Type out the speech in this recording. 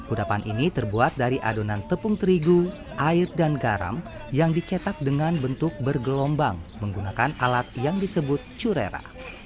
udapan ini terbuat dari adonan tepung terigu air dan garam yang dicetak dengan bentuk bergelombang menggunakan alat yang disebut curera